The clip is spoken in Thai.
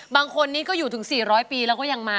บางคนนี้ก็อยู่ถึง๔๐๐ปีแล้วก็ยังมา